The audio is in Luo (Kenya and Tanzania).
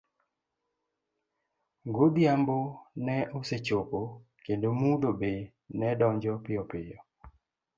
Godhiambo ne osechopo kendo mudho be ne donjo piyopiyo.